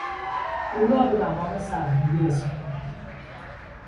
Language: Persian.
او را به مقام سرهنگی رساندند.